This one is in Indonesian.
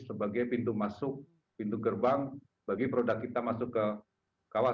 sebagai pintu masuk pintu gerbang bagi produk kita masuk ke kawasan